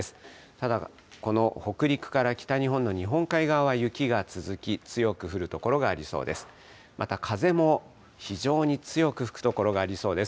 ただ、この北陸から北日本の日本海側は雪が続き、強く降る所がありそうです。